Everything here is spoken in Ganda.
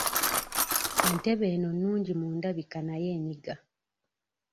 Entebe eno nnungi mu ndabika naye enyiga.